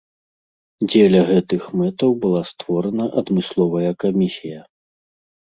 Дзеля гэтых мэтаў была створана адмысловая камісія.